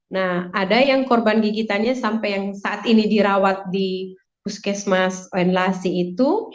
nah ada yang korban gigitannya sampai yang saat ini dirawat di puskesmas lenlasi itu